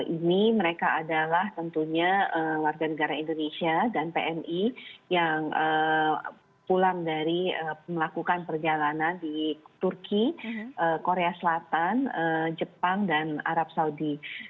ini mereka adalah tentunya warga negara indonesia dan pmi yang pulang dari melakukan perjalanan di turki korea selatan jepang dan arab saudi